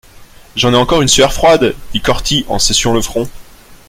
J’en ai encore une sueur froide !... dit Corty, en s’essuyant le front.